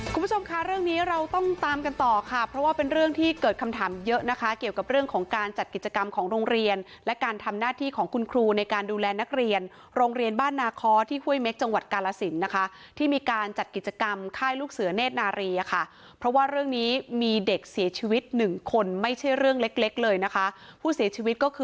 คุณผู้ชมค่ะเรื่องนี้เราต้องตามกันต่อค่ะเพราะว่าเป็นเรื่องที่เกิดคำถามเยอะนะคะเกี่ยวกับเรื่องของการจัดกิจกรรมของโรงเรียนและการทำหน้าที่ของคุณครูในการดูแลนักเรียนโรงเรียนบ้านนาคอที่ห้วยเม็กจังหวัดกาลสินนะคะที่มีการจัดกิจกรรมค่ายลูกเสือเนธนารีอะค่ะเพราะว่าเรื่องนี้มีเด็กเสียชีวิตหนึ่งคนไม่ใช่เรื่องเล็กเล็กเลยนะคะผู้เสียชีวิตก็คือ